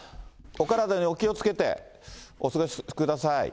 お体にお気をつけてお過ごしください。